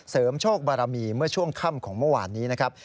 โชคบารมีเมื่อช่วงค่ำของเมื่อวานนี้นะครับ